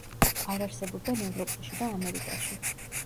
არ არსებობენ ევროპაში და ამერიკაში.